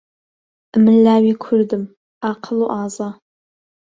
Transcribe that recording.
ئەمن لاوی کوردم، عاقڵ و ئازا.